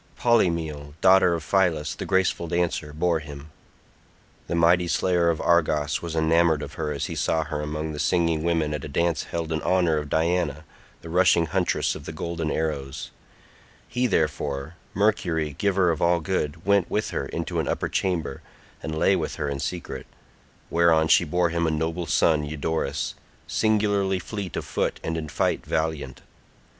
Polymele, daughter of Phylas the graceful dancer, bore him; the mighty slayer of Argos was enamoured of her as he saw her among the singing women at a dance held in honour of Diana the rushing huntress of the golden arrows; he therefore—Mercury, giver of all good—went with her into an upper chamber, and lay with her in secret, whereon she bore him a noble son Eudorus, singularly fleet of foot and in fight valiant.